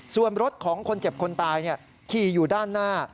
ส่วนรถของคนเจ็บคนตายขี่อยู่ด้านหน้า